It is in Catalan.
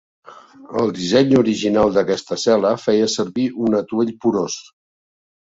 El disseny original d'aquesta cel·la feia servir un atuell porós.